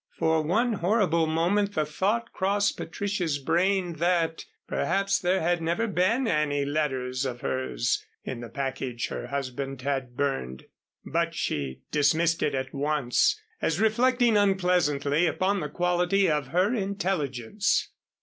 For one horrible moment the thought crossed Patricia's brain that perhaps there had never been any letters of hers in the package her husband had burned, but she dismissed it at once as reflecting unpleasantly upon the quality of her intelligence.